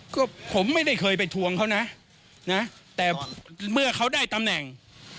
ก็ผมไม่ได้เคยไปทวงเขานะนะแต่เมื่อเขาได้ตำแหน่ง